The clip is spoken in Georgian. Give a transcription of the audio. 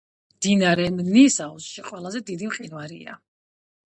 მდინარე მნის აუზში ყველაზე დიდი მყინვარია.